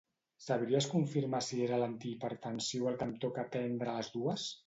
Sabries confirmar si era l'antihipertensiu el que em toca prendre a les dues?